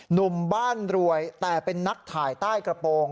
หนุ่มบ้านรวยแต่เป็นนักถ่ายใต้กระโปรง